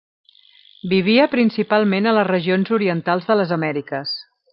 Vivia principalment a les regions orientals de les Amèriques.